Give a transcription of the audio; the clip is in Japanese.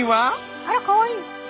あらかわいい！